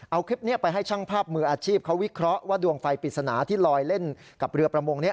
เอาคลิปนี้ไปให้ช่างภาพมืออาชีพเขาวิเคราะห์ว่าดวงไฟปริศนาที่ลอยเล่นกับเรือประมงนี้